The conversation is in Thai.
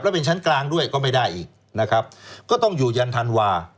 แล้วเป็นชั้นกลางด้วยก็ไม่ได้อีกนะครับก็ต้องอยู่ยันธันวา